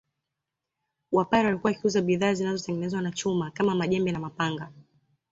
Wapare walikuwa wakiuza bidhaa zinazotengenezwa na chuma kama majembe na mapanga